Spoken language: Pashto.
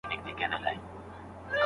ایا ځايي بزګر انځر اخلي؟